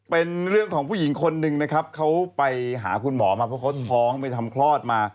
เป็นเรื่องของผู้หญิงคนหนึ่งนะครับเขาไปหาคุณหมอมาเพราะเขาท้องไปทำคลอดมา